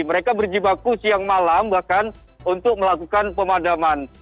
mereka berjibaku siang malam bahkan untuk melakukan pemadaman